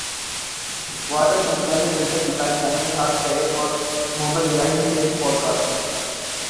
whether سے متعلق دلچسپ حقائق جانیے سعد سہیل اور محمد ابراہیم کی اس پوڈکاسٹ میں